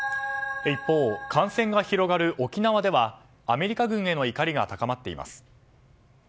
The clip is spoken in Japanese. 一方、感染が広がる沖縄ではアメリカ軍への怒りが高まっています。